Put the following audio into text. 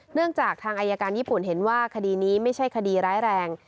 เนื่องจากทางอายการญี่ปุ่นเห็นว่าคดีนี้ไม่ใช่คดีร้ายแรง